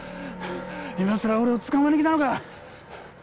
今さら俺を捕まえに来たのか。